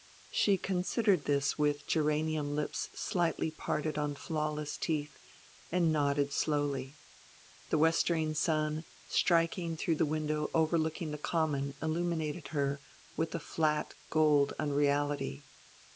She considered this with geranium lips slightly parted on flawless teeth, and nodded slowly. The westering sun striking through the window overlooking the Common illuminated her with a flat gold unreality.